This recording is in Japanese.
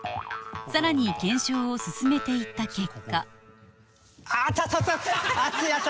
さらに検証を進めていった結果あっ熱い熱い！